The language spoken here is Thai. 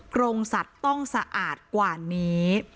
กรงสัตว์ต้องสะอาดกว่านี้